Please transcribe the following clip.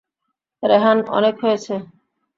রেহান অনেক হয়েছে।